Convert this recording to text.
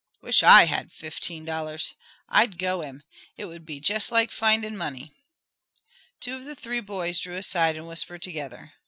"Wish I had fifteen dollars," muttered Crane. "I'd go him. It would be jest like findin' money." Two or three of the boys drew aside and whispered together.